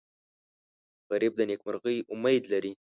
غریب د نیکمرغۍ امید لري